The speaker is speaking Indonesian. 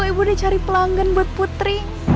ibu udah cari pelanggan buat putri